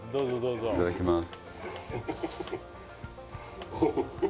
いただきます